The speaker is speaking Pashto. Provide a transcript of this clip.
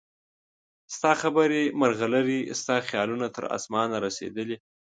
ستا خبرې مرغلرې ستا خیالونه تر اسمانه رسیدلي